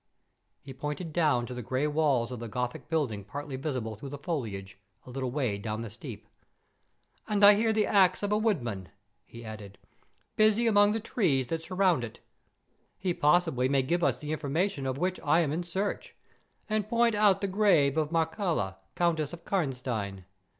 He pointed down to the grey walls of the Gothic building partly visible through the foliage, a little way down the steep. "And I hear the axe of a woodman," he added, "busy among the trees that surround it; he possibly may give us the information of which I am in search, and point out the grave of Mircalla, Countess of Karnstein.